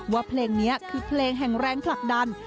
เพลงนี้คือเพลงแห่งแรงผลักดัน